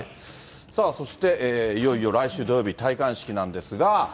さあそして、いよいよ来週土曜日、戴冠式なんですが。